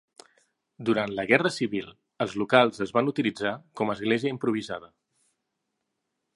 Durant la guerra civil els locals es van utilitzar com a església improvisada.